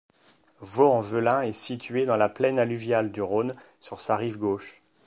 Vaulx-en-Velin est située dans la plaine alluviale du Rhône, sur sa rive gauche.